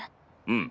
うん。